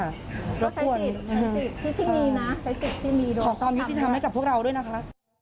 ก็ใช้สิทธิ์ที่มีนะขอความพิธีทำให้กับพวกเราด้วยนะคะ